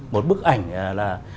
một bức ảnh là